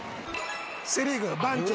セリーグの番長